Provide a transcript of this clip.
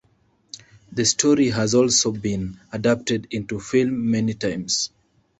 The story has also been adapted into film many times.